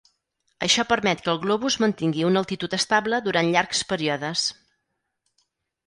Això permet que el globus mantingui una altitud estable durant llargs períodes.